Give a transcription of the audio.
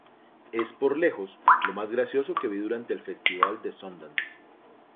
Es por lejos lo más gracioso que vi durante el Festival de Sundance".